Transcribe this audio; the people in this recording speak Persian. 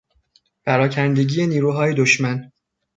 پراکندگی نیروهای دشمن